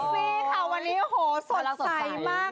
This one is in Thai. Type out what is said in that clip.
โปรกซี่ค่ะวันนี้โหยสดใสมาก